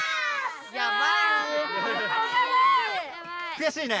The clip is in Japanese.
くやしいね。